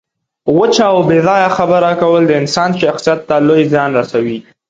وچه او بې ځایه خبره کول د انسان شخصیت ته لوی زیان رسوي.